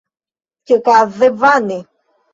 Ĉi-okaze vane.